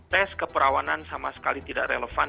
tes keperawanan sama sekali tidak relevan